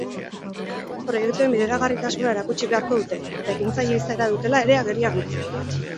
Proiektuen bideragarritasuna erakutsi beharko dute, eta ekintzaile izaera dutela ere agerian utzi.